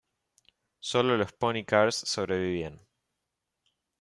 Solo los pony cars sobrevivían.